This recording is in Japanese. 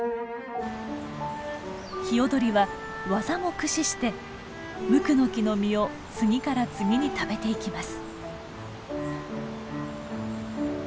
ヒヨドリは技も駆使してムクノキの実を次から次に食べていきます。